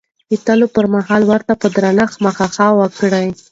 د تلو پر مهال ورته په درنښت مخه ښه وکړئ.